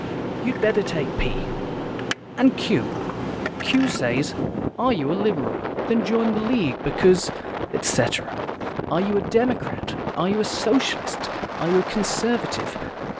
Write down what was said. You'd better take P. And Q. Q says 'Are you a Liberal? Then join the League, because, etc. Are you a Democrat? Are you a Socialist? Are you a Conservative?